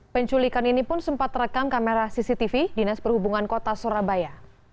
penculikan ini pun sempat rekam kamera cctv dinas perhubungan kota surabaya